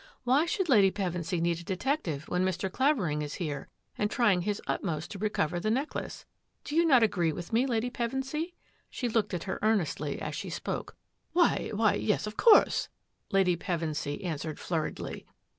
" Why should Lady Pevensy need a detective when Mr. Clavering is here and trying his utmost to recover the necklace? Do you not agree with me. Lady Pevensy? " She looked at her ear nestly as she spoke. " Why — why yes, of course," Lady Pevensy answered flurriedly.